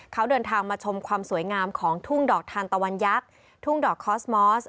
เขาเดินทางมาชมความสวยงามของทุ่งดอกทานตะวันยักษ์ทุ่งดอกคอสมอส